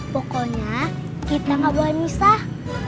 pokoknya kita gak boleh misah